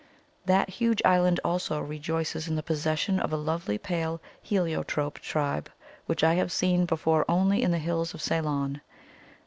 That huge island also rejoices in the possession of a lovely pale heliotrope tribe which I have seen before only in the hills of Ceylon.